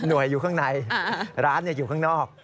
อยู่ข้างในร้านอยู่ข้างนอก